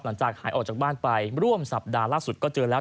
หลังจากหายออกจากบ้านไปร่วมสัปดาห์ล่าสุดก็เจอแล้ว